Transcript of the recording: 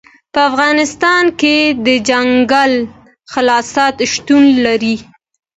په افغانستان کې دځنګل حاصلات شتون لري.